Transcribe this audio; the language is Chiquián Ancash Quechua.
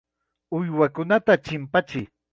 Uywakunata chimpachiy.